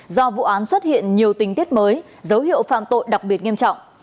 do vụ án xuất hiện nhiều tình tiết mới dấu hiệu phạm tội đặc biệt nghiêm trọng